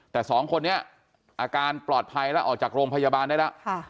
แต่สองคนนี้อาการปลอดภัยแล้วออกจากโรงพยาบาลได้แล้ว